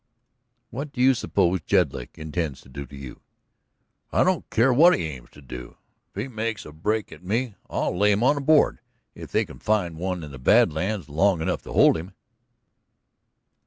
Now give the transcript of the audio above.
"What do you suppose Jedlick intends to do to you?" "I don't care what he aims to do. If he makes a break at me, I'll lay him on a board, if they can find one in the Bad Lands long enough to hold him."